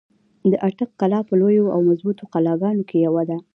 د اټک قلا په لويو او مضبوطو قلاګانو کښې يوه ده۔